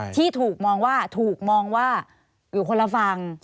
ที่ถูกมองว่าถูกมองว่าอยู่คนละฝั่ง